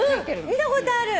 見たことある。